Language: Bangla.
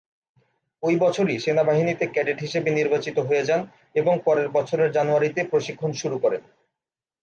ঐ বছরই সেনাবাহিনীতে ক্যাডেট হিসেবে নির্বাচিত হয়ে যান এবং পরের বছরের জানুয়ারীতে প্রশিক্ষণ শুরু করেন।